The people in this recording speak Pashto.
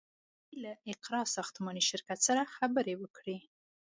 سمدستي یې له اقراء ساختماني شرکت سره خبرې وکړې.